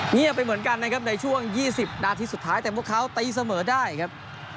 เงียบไปเหมือนกันนะครับในช่วง๒๐นาทีสุดท้ายแต่พวกเขาตีเสมอได้ครับ